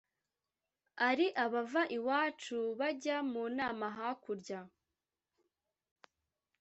Ari abava iwacu bajya mu nama hakurya